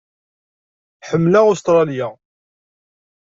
Ḥemmleɣ Ustṛalya.